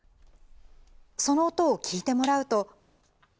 その音を聞いてもらうと。